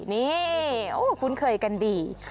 นี่คุ้นเคยกันดี